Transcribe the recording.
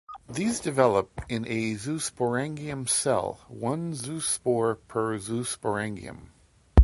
These develop in a zoosporangium cell, one zoospore per zoosporangium.